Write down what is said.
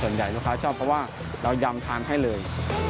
ส่วนใหญ่ลูกค้าชอบเพราะว่าเรายำทางให้เลย